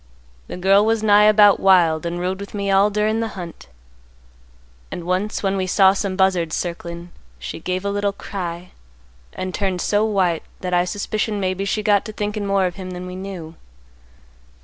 "The girl was nigh about wild and rode with me all durin' the hunt, and once when we saw some buzzards circlin', she gave a little cry and turned so white that I suspicioned maybe she got to thinkin' more of him than we knew.